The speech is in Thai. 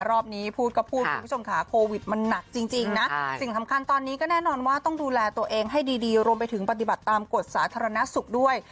รอบนี้พูดก็พูดคุณผู้ชมค่ะโควิดมันหนักจริงนะสิ่งสำคัญตอนนี้ก็แน่นอนว่าต้องดูแลตัวเองให้ดีรวมไปถึงปฏิบัติตามกฎสาธารณสุขด้วย